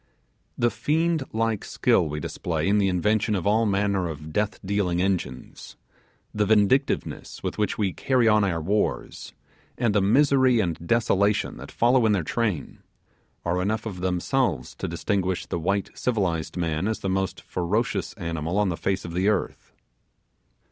The fiend like skill we display in the invention of all manner of death dealing engines, the vindictiveness with which we carry on our wars, and the misery and desolation that follow in their train, are enough of themselves to distinguish the white civilized man as the most ferocious animal on the face of the earth.